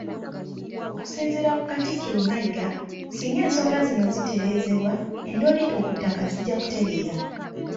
Okusinziira ku Katikkiro Mayiga, singa ensonga zino zitereezebwa, endooliito ku ttaka zijja kutereera.